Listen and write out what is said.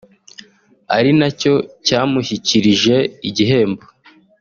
ari nacyo cyamushyikirije igihembo